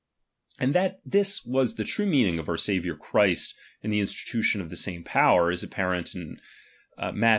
And that this was tlie true meaning of our H Saviour Christ in the institution of the same power, H is apparent in Matth.